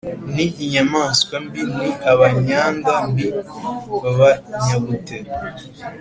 ni inyamaswa mbi ni abanyanda mbi b’abanyabute.”